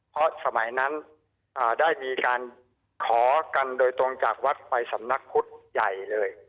เพราะสมัยนั้นได้มีการขอกันโดยตรงจากวัดไปสำนักพุทธใหญ่เลย